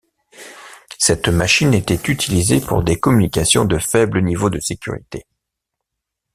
Cette machine était utilisée pour des communications de faible niveau de sécurité.